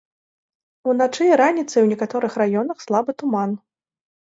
Уначы і раніцай у некаторых раёнах слабы туман.